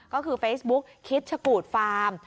ก็คือเฟซบุ๊กคิดชะกูดฟาร์ม